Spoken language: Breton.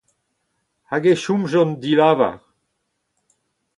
Hag e chomjont dilavar.